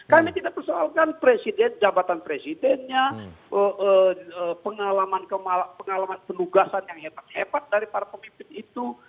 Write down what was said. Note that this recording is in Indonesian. kami tidak persoalkan presiden jabatan presidennya pengalaman penugasan yang hebat hebat dari para pemimpin itu